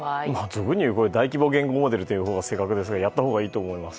俗にいう大規模言語モデルという言い方が正確だと思いますがやったほうがいいと思います。